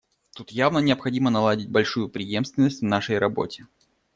Тут явно необходимо наладить большую преемственность в нашей работе.